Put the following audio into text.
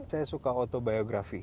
saya suka autobiografi